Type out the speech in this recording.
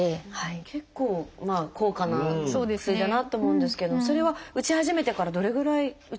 結構高価な薬だなと思うんですけれどもそれは打ち始めてからどれぐらい打ち続けるんですか？